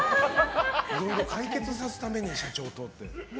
いろいろ解決させるために社長とって。